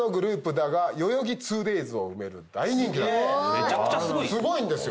めちゃくちゃすごいよ。